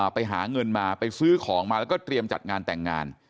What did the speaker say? ไปหาเงินมาไปซื้อของมาแล้วก็เตรียมจัดงานแต่งงาน